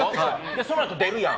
そのあと、出るやん。